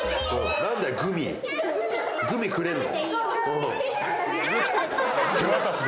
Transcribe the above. グミくれるの？